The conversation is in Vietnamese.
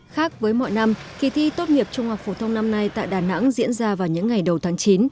khác với mọi năm kỳ thi tốt nghiệp trung học phổ thông năm nay tại đà nẵng diễn ra vào những ngày đầu tháng chín